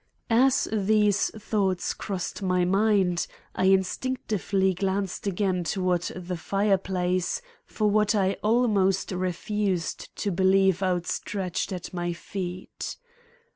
As these thoughts crossed my mind, I instinctively glanced again toward the fireplace for what I almost refused to believe lay outstretched at my feet.